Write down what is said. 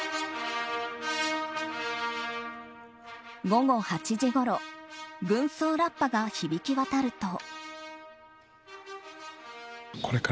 午後８時ごろ軍葬ラッパが響き渡ると。